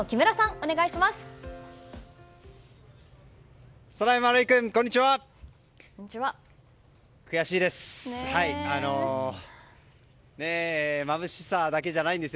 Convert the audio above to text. お願いします。